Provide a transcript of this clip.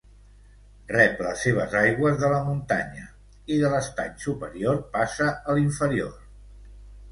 Rep les seves aigües de la muntanya; i de l'estany superior passa a l'inferior.